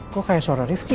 kok kayak suara rifqi